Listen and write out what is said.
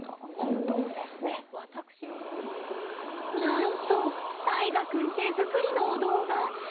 なんとたいがくん手作りのお堂が。